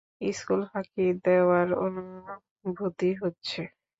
School ফাঁকি দেওয়ার অনুভূতি হচ্ছে।